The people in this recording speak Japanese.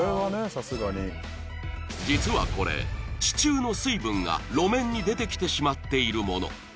さすがに実はこれ地中の水分が路面に出てきてしまっているもの